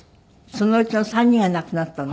そのうちの３人が亡くなったの？